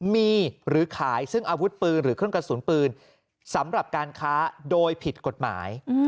มีหรือขายซึ่งอาวุธปืนหรือเครื่องกระสุนปืนสำหรับการค้าโดยผิดกฎหมาย